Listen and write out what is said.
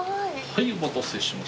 はいお待たせしました。